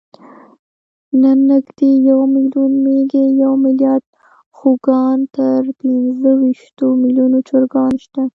نن نږدې یو میلیون مېږې، یو میلیارد خوګان، تر پینځهویشتو میلیونو چرګان شته.